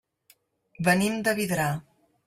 Venim de Vidrà.